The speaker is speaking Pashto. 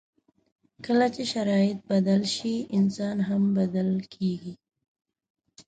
کله چې شرایط بدل شي، انسان هم بدل کېږي.